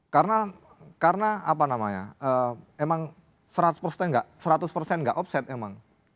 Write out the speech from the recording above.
karena karena apa namanya emang seratus enggak seratus enggak offset emang